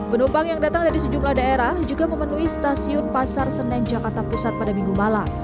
penumpang yang datang dari sejumlah daerah juga memenuhi stasiun pasar senen jakarta pusat pada minggu malam